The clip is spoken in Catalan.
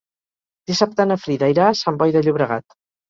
Dissabte na Frida irà a Sant Boi de Llobregat.